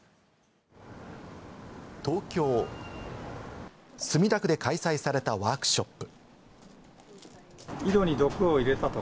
東京墨田区で開催されたワークショップ。